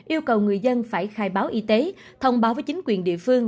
yêu cầu người dân phải khai báo y tế thông báo với chính quyền địa phương